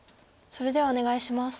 それではお願いします。